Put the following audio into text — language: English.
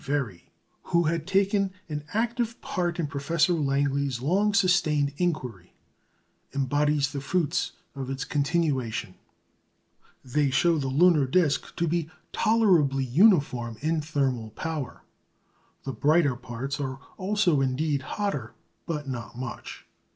Very, who had taken an active part in Professor Langley's long sustained inquiry, embodies the fruits of its continuation. They show the lunar disc to be tolerably uniform in thermal power. The brighter parts are also indeed hotter, but not much.